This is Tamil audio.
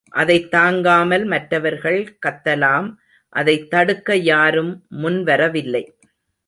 அதைத் தாங்காமல் மற்றவர்கள் கத்தலாம் அதைத் தடுக்க யாரும் முன் வரவில்லை.